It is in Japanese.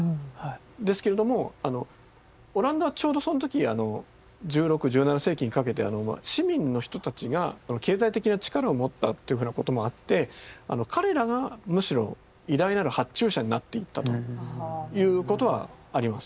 ですけれどもオランダはちょうどその時１６１７世紀にかけて市民の人たちが経済的な力を持ったというふうなこともあって彼らがむしろ偉大なる発注者になっていったということはあります。